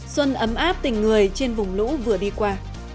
xuân ấm áp tình người trên vùng lũ vừa đi qua